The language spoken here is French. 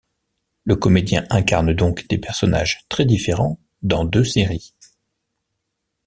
Le comédien incarne donc des personnages très différents dans deux séries.